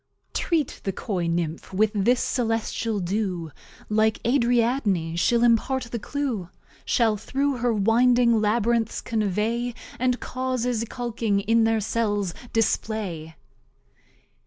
Treat the Coy Nymph with this Celestial Dew, Like Ariadne she'll impart the Clue; Shall through her Winding Labyrinths convey, And Causes, iculking in their Cells, display.